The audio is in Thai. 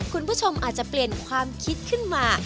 คุณผู้ชมอาจจะเปลี่ยนความคิดขึ้นมา